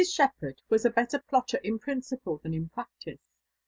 Shepherd was a better plotter in principle than in practice.